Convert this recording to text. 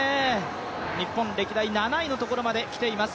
日本歴代７位のところまで来ています。